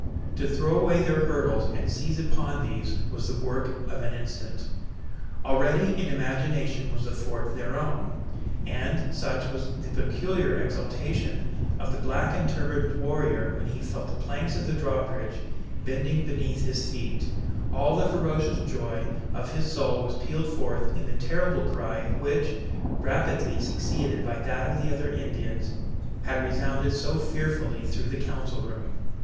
To throw away their hurdles and seize upon these, was the work of an instant. Already, in imagination, was the fort their own; and, such, was the peculiar exaltation of the black and turbaned warrior when he felt the planks of the drawbridge bending beneath his feet, all the ferocious joy of his soul was pealed forth in the terrible cry which, rapidly succeeded by that of the other Indians, had resounded so fearfully through the council room.